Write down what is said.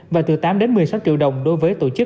và từ tám đến một mươi sáu triệu đồng đối với tổ chức